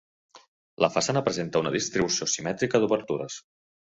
La façana presenta una distribució simètrica d'obertures.